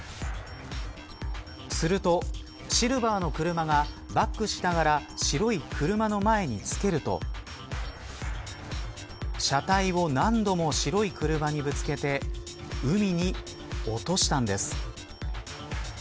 すると、シルバーの車がバックしながら白い車の前につけると車体を何度も白い車にぶつけて海に落としたんです。